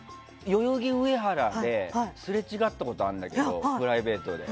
代々木上原ですれ違ったことあるんだけどプライベートで。